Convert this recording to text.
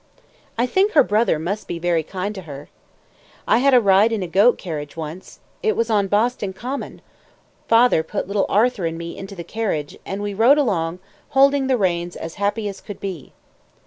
I think her brother must be very kind to her. I had a ride in a goat carriage once; it was on Boston Common; father put little Arthur and me into the carriage, and we rode along, holding the reins, as happy as could be.